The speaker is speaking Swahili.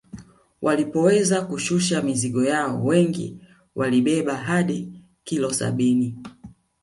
Walipoweza kushusha mizigo yao wengi walibeba hadi kilo sabini